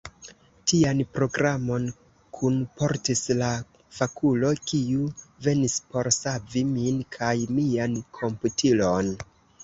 Tian programon kunportis la fakulo, kiu venis por savi min kaj mian komputilon.